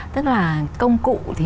tức là công cụ